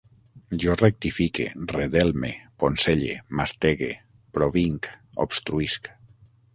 Jo rectifique, redelme, poncelle, mastegue, provinc, obstruïsc